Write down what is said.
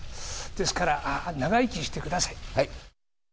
ですから、長生きしてください。